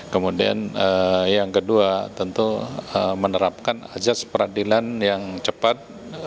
kemudian yang kedua tentu menerapkan ajas peradilan yang cepat